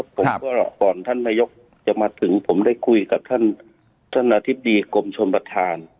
ครับก่อนท่านนายกรัฐมนตรีจะมาถึงผมได้คุยกับท่านท่านอธิบดีกรมชมประธาน